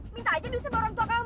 minta aja diusahakan orang tua kamu